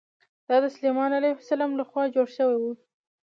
دا د سلیمان علیه السلام له خوا جوړ شوی و.